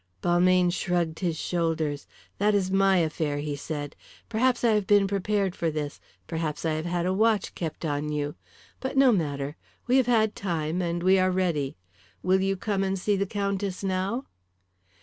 Balmayne shrugged his shoulders. "That is my affair," he said. "Perhaps I have been prepared for this perhaps I have had a watch kept on you. But no matter. We have had time and we are ready. Will you come and see the Countess now?"